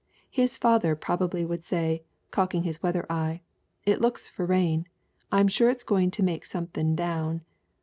His father probably would say, cocking his weather eye, 'It looks for rain. I'm sure it's going to make something down.'